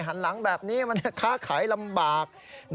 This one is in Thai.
หันหลังแบบนี้มันค้าขายลำบาก